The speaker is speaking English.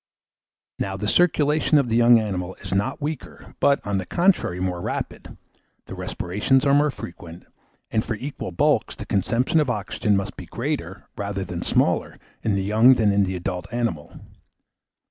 Now, the circulation in the young animal is not weaker, but, on the contrary, more rapid; the respirations are more frequent; and, for equal bulks, the consumption of oxygen must be greater rather than smaller in the young than in the adult animal.